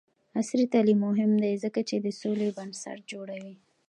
عصري تعلیم مهم دی ځکه چې د سولې بنسټ جوړوي.